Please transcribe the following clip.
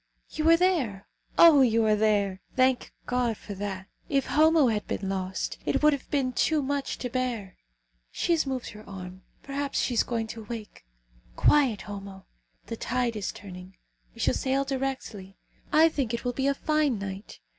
"You are there. Oh! you are there! Thank God for that. If Homo had been lost, it would have been too much to bear. She has moved her arm. Perhaps she is going to awake. Quiet, Homo! The tide is turning. We shall sail directly. I think it will be a fine night.